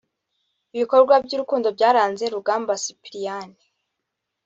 Ibikorwa by’urukundo byaranze Rugamba Cyprien